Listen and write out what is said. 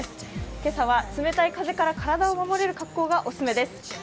今朝は冷たい風から体を守れる格好がお勧めです。